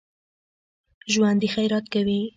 ژوندي خیرات کوي